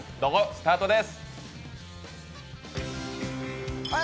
スタートです！